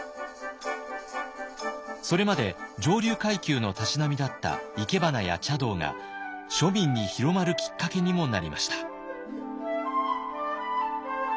それまで上流階級のたしなみだった生け花や茶道が庶民に広まるきっかけにもなりました。